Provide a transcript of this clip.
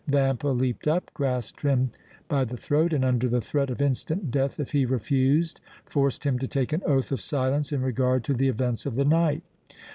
Vampa leaped up, grasped him by the throat and, under the threat of instant death if he refused, forced him to take an oath of silence in regard to the events of the night.